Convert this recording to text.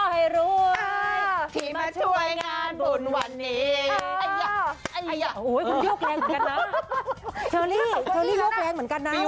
ข้อให้รวยที่มาช่วยงานบุญวันนี้